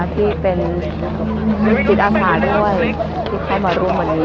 ที่เป็นลูกจิตอาสาด้วยที่เข้ามาร่วมวันนี้